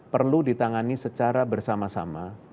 perlu ditangani secara bersama sama